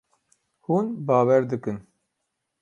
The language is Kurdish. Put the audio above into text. Hûn bawer dikin.